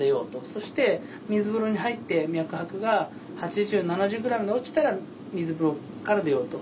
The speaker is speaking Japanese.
そして水風呂に入って脈拍が８０７０ぐらいまで落ちたら水風呂から出ようと。